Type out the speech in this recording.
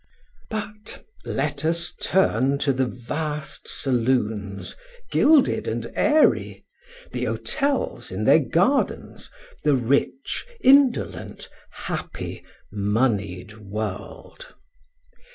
But let us turn to the vast saloons, gilded and airy; the hotels in their gardens, the rich, indolent, happy moneyed world.